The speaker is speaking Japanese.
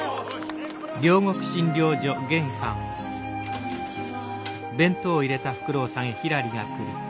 こんにちは。